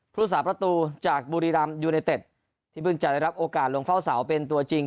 ผู้สาประตูจากบุรีรำยูไนเต็ดที่เพิ่งจะได้รับโอกาสลงเฝ้าเสาเป็นตัวจริง